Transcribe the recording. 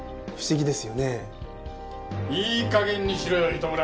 いいかげんにしろよ糸村！